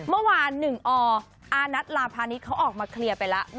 เมื่อวาน๑ออานัทลาพาณิชย์เขาออกมาเคลียร์ไปแล้ว